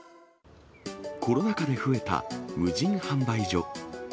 コロナ禍で増えた無人販売所。